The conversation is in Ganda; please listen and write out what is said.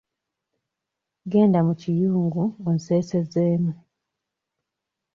Genda mu kiyungu onseesezeemu.